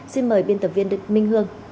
xin mời biên tập viên đức minh hương